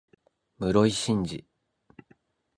室井慎次